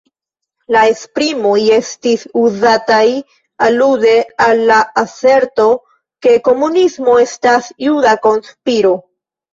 La esprimoj estis uzataj alude al la aserto, ke komunismo estas juda konspiro.